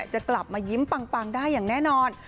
จะกลับมายิ้มปังได้อย่างแน่นอน